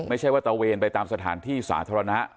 ไม่ใช่ว่าตะเวนไปตามสถานที่สาธารณะ